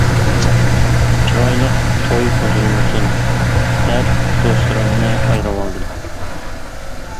چىرايلىق توي بۇزۇلمىسۇن دەپ دوستلىرىمنى ئايرىۋالدىم.